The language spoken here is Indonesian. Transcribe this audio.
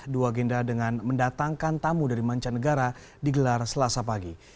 dua agenda dengan mendatangkan tamu dari mancanegara digelar selasa pagi